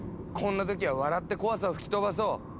こんな時は笑って怖さを吹き飛ばそう！